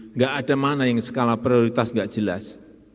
nggak ada mana yang skala prioritas nggak jelas